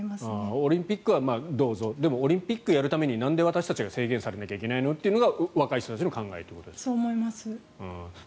オリンピックはどうぞでも、オリンピックをやるためになんで私たちが制限されなきゃいけないのっていうのが若い人たちの考えということですね。